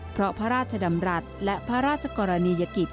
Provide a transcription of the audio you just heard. เพราะพระราชดำรัฐและพระราชกรณียกิจ